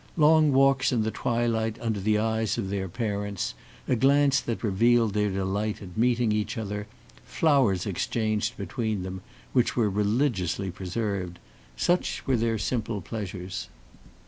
Long walks in the twilight under the eyes of their parents, a glance that revealed their delight at meeting each other, flowers exchanged between them which were religiously preserved such were their simple pleasures.